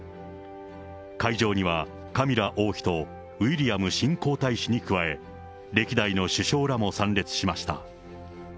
会場には、カミラ王妃とウィリアム新皇太子に加え、歴代の首相らも参列しました。